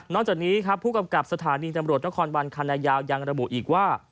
จากนี้ครับผู้กำกับสถานีตำรวจนครบานคันนายาวยังระบุอีกว่า